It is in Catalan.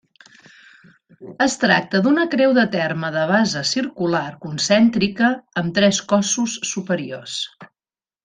Es tracta d'una creu de terme de base circular concèntrica amb tres cossos superiors.